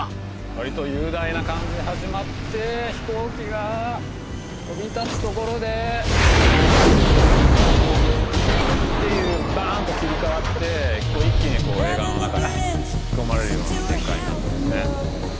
わりと雄大な感じで始まって飛行機が飛び立つところでていうバーンと切り替わって一気に映画の中に引き込まれるような展開になってますね